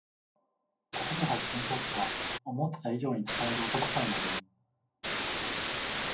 ここの百均ショップは思ってた以上に使えるお得感がウリ